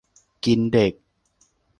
กินเด็ก